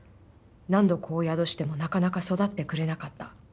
何度子を宿しても、なかなか育ってくれなかった。